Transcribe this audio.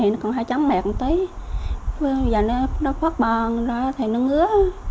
còn hơi chóng mệt một tí bây giờ nó phát bàn rồi thầy nó ngứa